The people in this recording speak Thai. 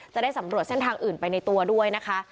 จะได้สำรวจเส้นทางอื่นไปในตัวด้วยนะคะ